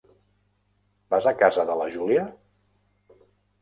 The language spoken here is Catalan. Vas a casa de la Julia?